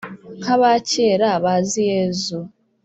nk’aba kera bazi yezu